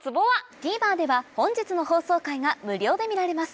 ＴＶｅｒでは本日の放送回が無料で見られます